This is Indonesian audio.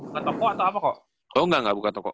buka toko atau apa kok